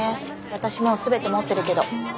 私もう全て持ってるけど。